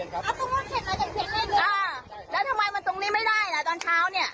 เขตนาจอมเทียนครับอ้าวแล้วทำไมมันตรงนี้ไม่ได้นะตอนเช้าเนี้ย